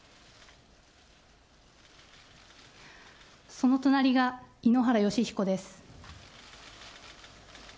その隣が井ノ原快彦です。